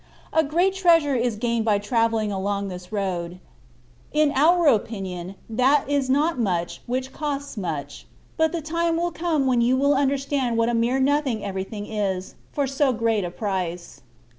A great treasure is gained by travelling along this road : in our opinion, that is not much which costs much ; but the time will come when you will understand what a mere nothing every thing is, for so great a price.